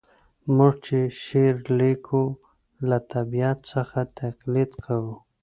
موږ چي شعر لیکو له طبیعت څخه تقلید کوو.